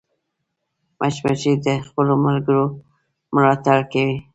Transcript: مچمچۍ د خپلو ملګرو ملاتړ کوي